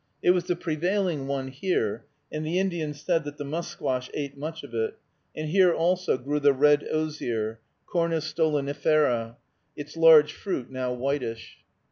It was the prevailing one here, and the Indian said that the musquash ate much of it; and here also grew the red osier (Cornus stolonifera), its large fruit now whitish.